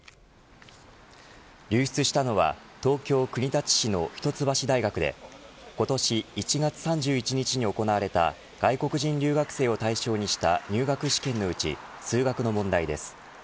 流出したのは東京、国立市の一橋大学で今年１月３１日に行われた外国人留学生を対象にした入学試験のうち数学の問題です。